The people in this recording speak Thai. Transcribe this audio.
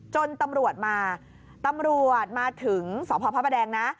จนตำรวจมาตำรวจมาถึงสพพระประแดงนะ